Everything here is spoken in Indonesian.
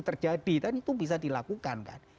terjadi kan itu bisa dilakukan kan